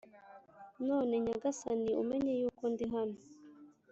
None nyagasani umenye yuko ndihano